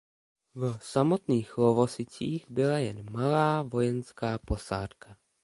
V samotných Lovosicích byla jen malá vojenská posádka.